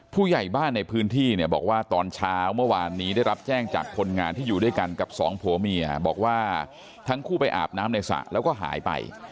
ผู้ใหญ่บ้านในพื้นที่เนี่ยบอกว่าตอนเช้าเมื่อวานนี้ได้รับแจ้งจากคนงานที่อยู่ด้วยกันกับสองผัวเมียบอกว่าทั้งคู่ไปอาบน้ำในสระแล้วก็หายไป